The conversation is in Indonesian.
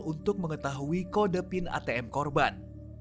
untuk mengetahui kode pin atm korban